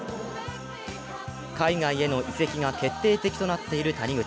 海外への移籍が決定的となっている谷口。